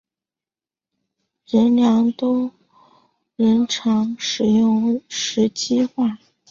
仁良都人常使用石岐话。